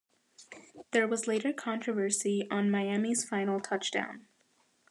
There was later controversy on Miami's final touchdown.